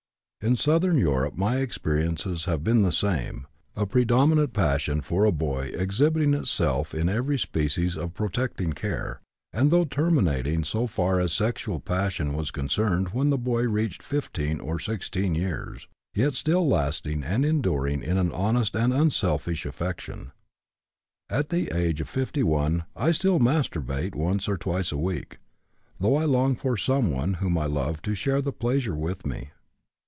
In Southern Europe my experiences have been the same, a predominant passion for a boy exhibiting itself in every species of protecting care, and though terminating so far as sexual passion was concerned when the boy reached 15 or 16 years, yet still lasting and enduring in an honest and unselfish affection. At the age of 51, I still masturbate once or twice a week, though I long for some person whom I love to share the pleasure with me.